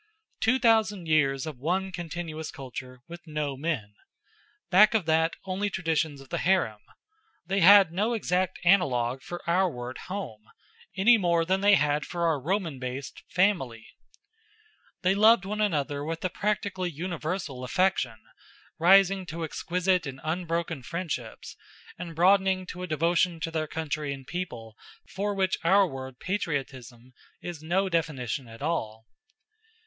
Two thousand years of one continuous culture with no men. Back of that, only traditions of the harem. They had no exact analogue for our word home, any more than they had for our Roman based family. They loved one another with a practically universal affection, rising to exquisite and unbroken friendships, and broadening to a devotion to their country and people for which our word patriotism is no definition at all.